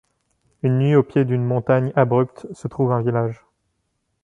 Une nuit au pied d'une montagne abrupte se trouve un village.